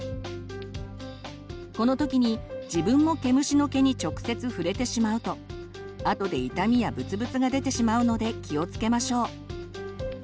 この時に自分も毛虫の毛に直接触れてしまうとあとで痛みやブツブツが出てしまうので気をつけましょう。